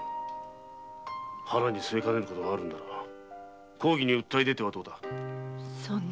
腹にすえかねることがあるなら公儀に訴え出てはどうだ？